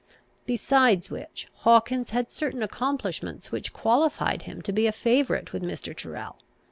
Beside which, Hawkins had certain accomplishments which qualified him to be a favourite with Mr. Tyrrel.